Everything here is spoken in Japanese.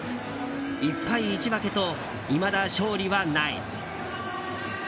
１敗１分けと、いまだ勝利はない。